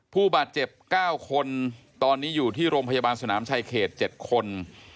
ผู้บาดเจ็บ๙คนตอนนี้อยู่ที่โรงพยาบาลสนามชายเขต๗คน